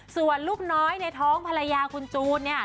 ส่วนลูกน้อยในท้องภรรยาคุณจูนเนี่ย